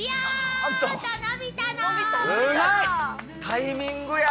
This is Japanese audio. タイミングや。